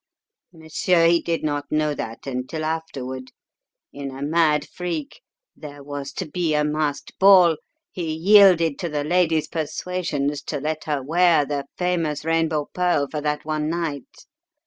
"Monsieur, he did not know that until afterward. In a mad freak there was to be a masked ball he yielded to the lady's persuasions to let her wear the famous Rainbow Pearl for that one night.